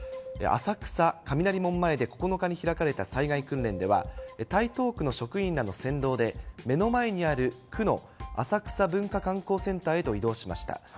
浅草・雷門前で９日に開かれた災害訓練では、台東区職員らの先導で目の前にある区の浅草文化観光センターへと移動しました。